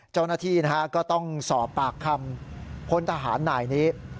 เจ้าหน้าที่ก็ต้องสอบปากคำพลทหารนายนี้